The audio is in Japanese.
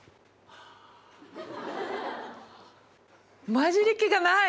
混じり気がない！